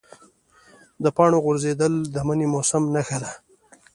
د پاڼو غورځېدل د مني موسم نښه ده.